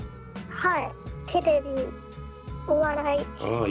はい。